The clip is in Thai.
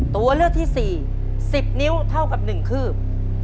ตัวเลือกที่๔๑๐นิ้วเท่ากับ๑คืบ